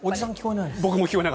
僕も聞こえない。